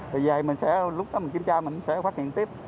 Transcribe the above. vì vậy lúc đó mình kiểm tra mình sẽ phát hiện tiếp